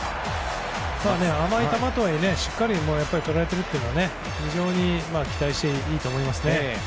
甘い球とはいえしっかり捉えているのは非常に期待していいと思いますね。